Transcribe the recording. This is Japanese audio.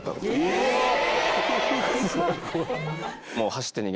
えっ！